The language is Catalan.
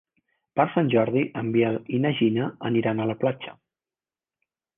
Per Sant Jordi en Biel i na Gina aniran a la platja.